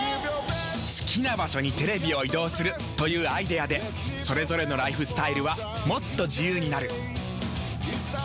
好きな場所にテレビを移動するというアイデアでそれぞれのライフスタイルはもっと自由になる。